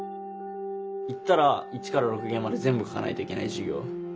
行ったら１から６限まで全部書かないといけない授業。